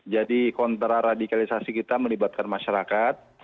jadi kontraradikalisasi kita melibatkan masyarakat